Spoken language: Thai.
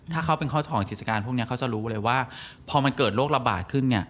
ถ้าเขาเป็นข้อถอนกิจการพวกนี้เขาจะรู้เลยว่าพอมันเกิดโรคระบาดขึ้นเนี่ย